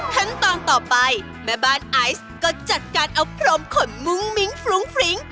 ขั้นตอนต่อไปแม่บ้านไอซ์ก็จัดการเอาพรมขนมุ้งมิ้งฟรุ้งฟริ้ง